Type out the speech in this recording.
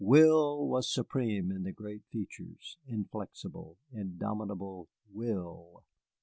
Will was supreme in the great features, inflexible, indomitable will.